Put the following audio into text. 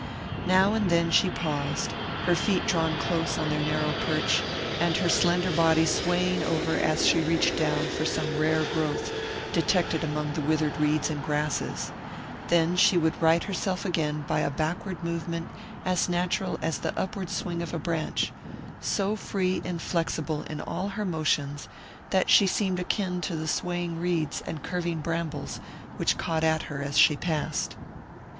Now and then she paused, her feet drawn close on their narrow perch, and her slender body swaying over as she reached down for some rare growth detected among the withered reeds and grasses; then she would right herself again by a backward movement as natural as the upward spring of a branch so free and flexible in all her motions that she seemed akin to the swaying reeds and curving brambles which caught at her as she passed.